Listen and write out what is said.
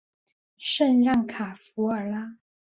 圣让卡弗尔拉。